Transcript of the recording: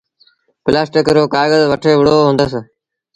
پلآسٽڪ رو ڪآگز وٺي وُهڙو هُندس۔